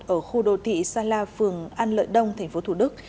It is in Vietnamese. ở khu đô thị sala phường an lợi đông tp thủ đức